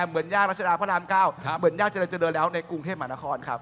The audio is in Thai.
เหมือนย่าราชดาพระนามเก้าเหมือนย่าเจรจเดินแล้วในกรุงเทพมหานครครับ